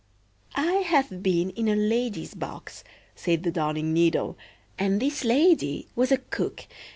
"I have been in a lady's box," said the Darning needle, "and this lady was a cook.